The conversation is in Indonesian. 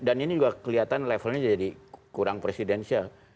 dan ini juga kelihatan levelnya jadi kurang presidensial